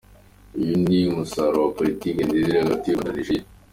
Uyu ni umusaruro wa politiki nziza iri hagati y’u Rwanda na Nigeria.